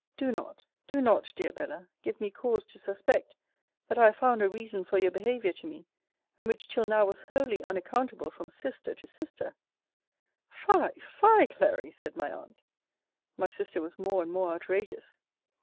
Do not, do not, dear Bella, give me cause to suspect, that I have found a reason for your behaviour to me, and which till now was wholly unaccountable from sister to sister Fie, fie, Clary! said my aunt. My sister was more and more outrageous.